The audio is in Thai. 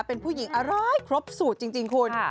เป็นผู้หญิงอร่อยครบสูตรจริงคุณ